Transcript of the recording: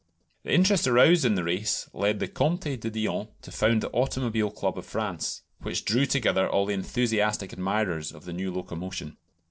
The interest roused in the race led the Comte de Dion to found the Automobile Club of France, which drew together all the enthusiastic admirers of the new locomotion.